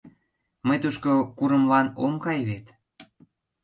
— Мый тушко курымлан ом кай вет.